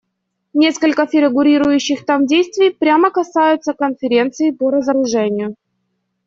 Несколько фигурирующих там действий прямо касаются Конференции по разоружению.